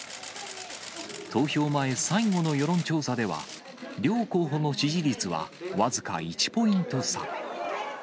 投票前最後の世論調査では、両候補の支持率は、僅か１ポイント差。